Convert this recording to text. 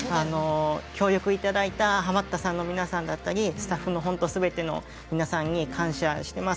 協力いただいたハマったさんの皆さんだったりスタッフのほんとすべての皆さんに感謝してます。